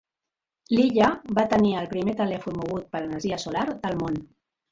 L'illa va tenir el primer telèfon mogut per energia solar del món.